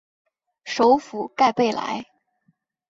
首府盖贝莱。